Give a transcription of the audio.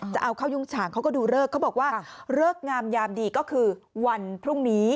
จะเอาข้าวยุ่งฉางเขาก็ดูเลิกเขาบอกว่าเลิกงามยามดีก็คือวันพรุ่งนี้